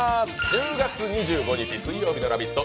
１０月２５日水曜日の「ラヴィット！」